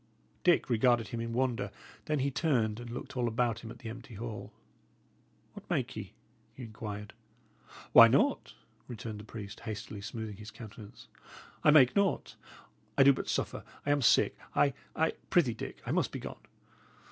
Dick regarded him in wonder; then he turned and looked all about him at the empty hall. "What make ye?" he inquired. "Why, naught," returned the priest, hastily smoothing his countenance. "I make naught; I do but suffer; I am sick. I I prithee, Dick, I must begone.